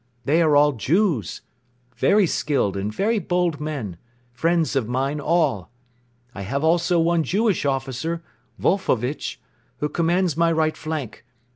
They are all Jews, very skilled and very bold men, friends of mine all. I have also one Jewish officer, Vulfovitch, who commands my right flank.